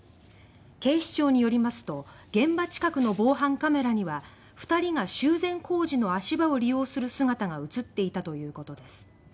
警視庁によりますと現場近くの防犯カメラには２人が修繕工事の足場を利用する姿が映っていたということです。